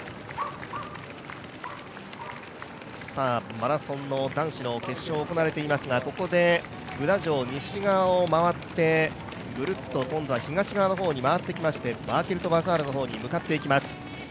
マラソンの男子決勝が行われていますが、ここでブダ城西側を回って、ぐるっと今度は東側の方に回ってきまして、ヴァールケルト・バザールの方に向かっていきます。